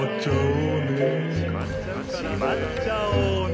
しまっちゃおうね。